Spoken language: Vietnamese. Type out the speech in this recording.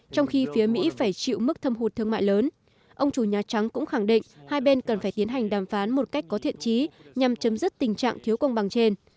trong khi phía mỹ phải chịu mức thâm hụt thương mại lớn ông chủ nhà trắng cũng khẳng định hai bên cần phải tiến hành đàm phán một cách có thiện trí nhằm chấm dứt tình trạng thiếu công bằng trên